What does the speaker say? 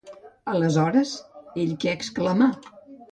Aleshores, ell què exclama?